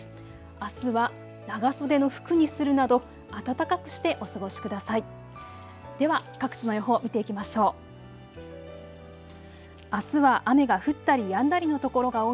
あすは長袖の服にするなど暖かくしてお過ごしください。